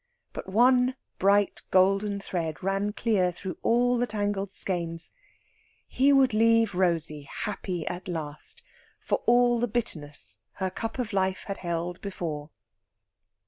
But one bright golden thread ran clear through all the tangled skeins he would leave Rosey happy at last, for all the bitterness her cup of life had held before.